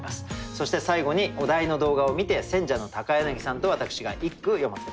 そして最後にお題の動画を観て選者の柳さんと私が一句詠ませて頂きます。